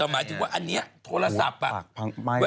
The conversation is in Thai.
แต่หมายถึงว่าอันนี้โทรศัพท์อ่ะหญิงมันตกไฟ